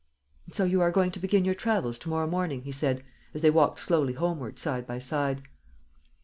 "And so you are going to begin your travels to morrow morning," he said, as they walked slowly homeward side by side.